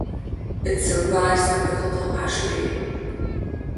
It survives as the Hotel Ashbee.